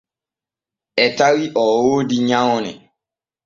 E tawi o wooda nyawne.